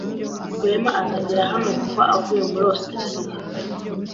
Rwema azagera hano vuba avuye muri Ositaraliya.